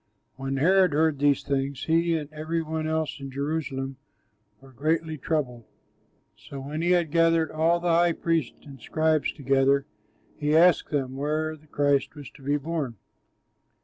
When Herod heard these things, he and every one else in Jerusalem were greatly troubled. So when he had gathered all the high priests and scribes together, he asked them where the Christ was to be born.